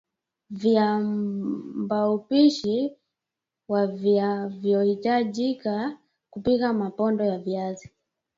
Viambaupishi wavianvyohitajika kupika mapondo ya viazi